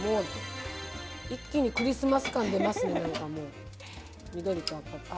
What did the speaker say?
一気にクリスマス感出ますね